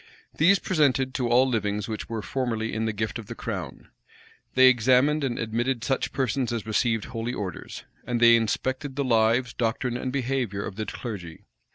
These presented to all livings which were formerly in the gift of the crown; they examined and admitted such persons as received holy orders; and they inspected the lives, doctrine, and behavior of the clergy.